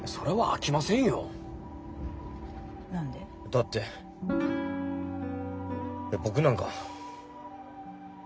だって僕なんか。